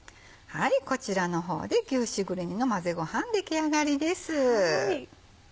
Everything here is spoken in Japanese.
こちらの方で「牛しぐれ煮の混ぜごはん」出来上がりです。